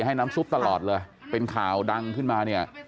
ให้น้ำซุปตลอดเลยเป็นข่าวดังขึ้นมาเนี่ย